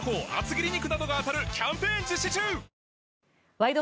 「ワイド！